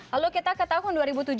lalu kita ke tahun dua ribu tujuh belas